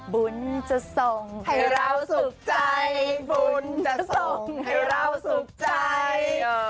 บุญจะส่งให้เราสุขใจบุญจะส่งให้เราสุขใจ